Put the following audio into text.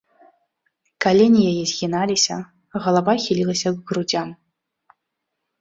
Калені яе згіналіся, галава хілілася к грудзям.